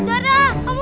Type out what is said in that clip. zara tunggu aku